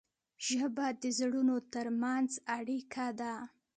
ژبه د زړونو ترمنځ اړیکه ده.